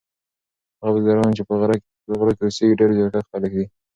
هغه بزګران چې په غرو کې اوسیږي ډیر زیارکښ خلک دي.